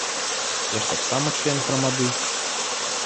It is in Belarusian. Я ж таксама член грамады.